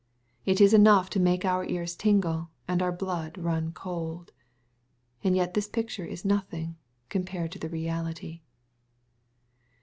It is enough lo make our ears tingle, and our blood run cold. And yet this picture is nothing, com pared to the reality.